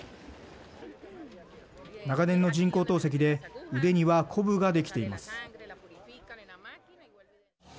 長年の人工透析で腕にはこぶが出来ています。